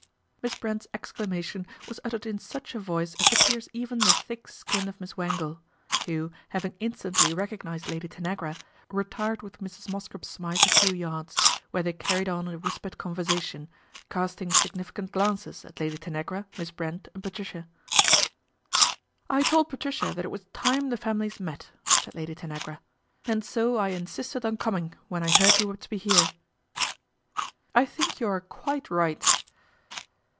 Miss Brent's exclama tion was uttered in such a voice as to pierce even the thick skin of Miss Wangle, who having in stantly recognised Lady Tanagra, retired with Mrs. Mosscrop Smythe a few yards, where they carried on a whispered conversation, casting significant glances at Lady Tanagra, Miss Brent and Patricia. " I told Patricia that it was time the families met," said Lady Tanagra, " and so I insisted on coming when I heard you were to be here." " I think you are quite right."